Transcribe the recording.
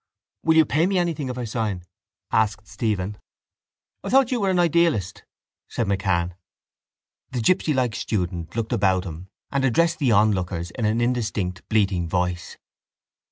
—Will you pay me anything if I sign? asked Stephen. —I thought you were an idealist, said MacCann. The gipsylike student looked about him and addressed the onlookers in an indistinct bleating voice.